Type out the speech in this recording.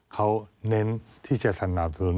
เขาเน้นที่จะสนับสนุน